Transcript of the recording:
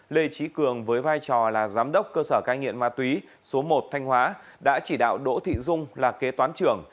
lê trí cường với vai trò là giám đốc cơ sở cai nghiện ma túy số một thanh hóa đã chỉ đạo đỗ thị dung là kế toán trưởng